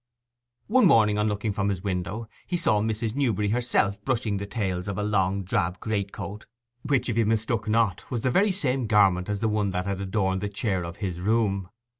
One morning, on looking from his window, he saw Mrs. Newberry herself brushing the tails of a long drab greatcoat, which, if he mistook not, was the very same garment as the one that had adorned the chair of his room.